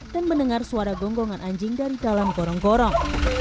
dan mendengar suara gonggongan anjing dari dalam gorong gorong